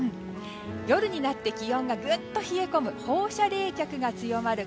夜になって気温がぐっと冷え込む放射冷却が強まる